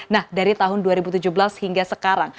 nah dari tahun dua ribu tujuh belas hingga sekarang